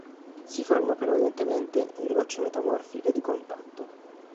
Si forma prevalentemente in rocce metamorfiche di contatto.